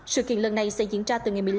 sự kiện lần này sẽ diễn ra từ ngày một mươi năm